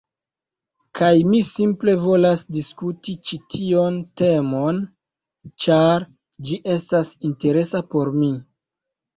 Kaj mi simple volas diskuti ĉi tion temon ĉar ĝi estas interesa por mi.